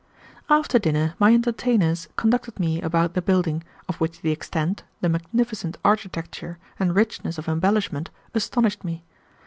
After dinner my entertainers conducted me about the building, of which the extent, the magnificent architecture and richness of embellishment, astonished me.